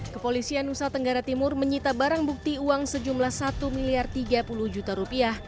kepolisian nusa tenggara timur menyita barang bukti uang sejumlah satu miliar tiga puluh juta rupiah